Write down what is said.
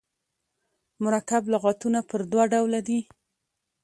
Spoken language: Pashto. مرکب لغاتونه پر دوه ډوله دي.